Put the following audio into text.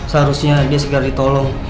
seharusnya dia segera ditolong